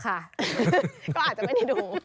ก็อาจจะไม่ได้ดู